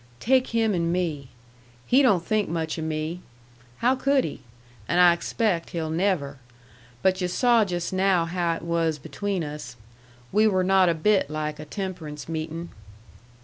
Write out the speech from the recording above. "Take him and me. He don't think much o' me! How could he? And I expect he'll never. But yu' saw just now how it was between us. We were not a bit like a temperance meetin'."